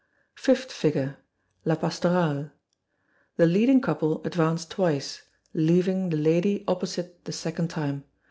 Fifth Figure, La Pastorale. The leading couple advance twice, leaving the lady opposite the second time.